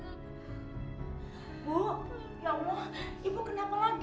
ibu ya allah ibu kenapa lagi